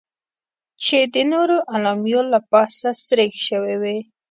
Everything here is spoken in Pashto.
چې د نورو اعلامیو له پاسه سریښ شوې وې.